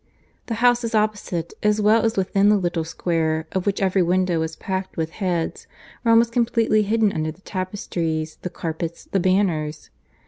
The houses opposite, as well as within the little square, of which every window was packed with heads, were almost completely hidden under the tapestries, the carpets, the banners.